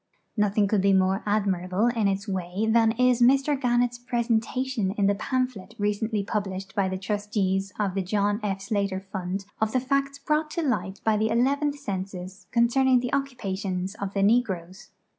Nothing could be more admirable in its way than is Mr Gannett's pre sentation in the pamphlet recently published by the Trustees of the John F. Slater Fund of the facts brought to light by the Eleventh Census con cerning the occupations of the negroes.